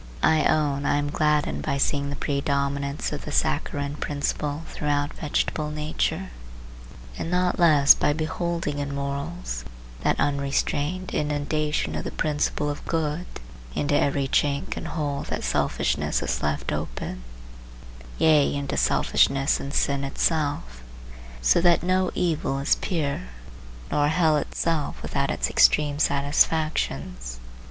I own I am gladdened by seeing the predominance of the saccharine principle throughout vegetable nature, and not less by beholding in morals that unrestrained inundation of the principle of good into every chink and hole that selfishness has left open, yea into selfishness and sin itself; so that no evil is pure, nor hell itself without its extreme satisfactions.